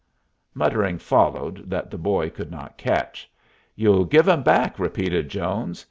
Muttering followed that the boy could not catch. "You'll give 'em back," repeated Jones.